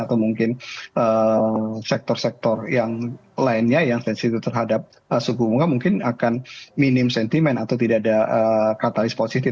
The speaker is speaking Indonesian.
atau mungkin sektor sektor yang lainnya yang sensitif terhadap suku bunga mungkin akan minim sentimen atau tidak ada katalis positif